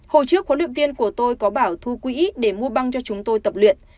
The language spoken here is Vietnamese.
hồi trước huấn luyện viên của tôi có bảo thu quỹ để mua băng cho chúng tôi tập luyện